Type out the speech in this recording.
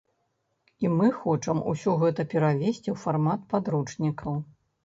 І мы хочам усё гэта перавесці ў фармат падручнікаў.